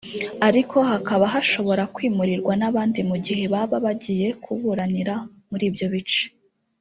ariko hakaba hashobora kwimurirwa n’abandi mu gihe baba bagiye kuburanira muri ibyo bice